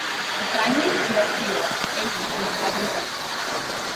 The primary industry of Elie is agriculture.